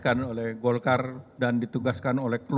kita boleh jawab pertanyaan yang terakhir